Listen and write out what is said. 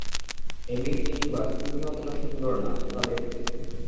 এই Miss Universe, তুমিও অতটা সুন্দর না, যতটা দেখতে।